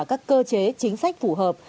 các cơ chế chính sách phù hợp